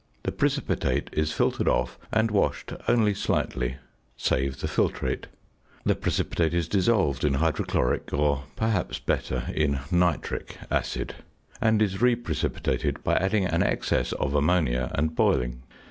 The precipitate is filtered off and washed only slightly. Save the filtrate. The precipitate is dissolved in hydrochloric, or, perhaps better, in nitric acid; and is reprecipitated by adding an excess of ammonia and boiling.